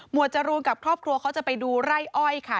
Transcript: จรูนกับครอบครัวเขาจะไปดูไร่อ้อยค่ะ